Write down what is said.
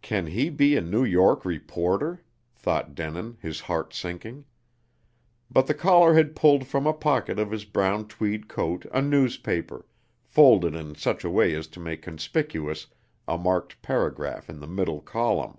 "Can he be a New York reporter?" thought Denin, his heart sinking. But the caller had pulled from a pocket of his brown tweed coat a newspaper, folded in such a way as to make conspicuous a marked paragraph in the middle column.